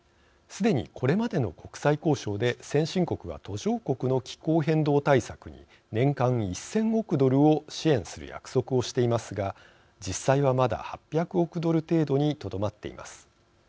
すでに、これまでの国際交渉で先進国は途上国の気候変動対策に年間１０００億ドルを支援する約束をしていますが実際はまだ８００億ドル程度にとどまっています。